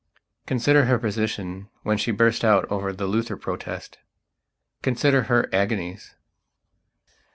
Consider her position when she burst out over the Luther Protest.... Consider her agonies....